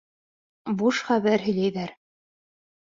Буш хәбәр һөйләйҙәр...